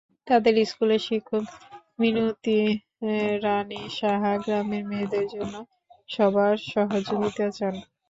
তাদের স্কুলের শিক্ষক মিনতি রানী সাহা গ্রামের মেয়েদের জন্য সবার সহযোগিতা চান।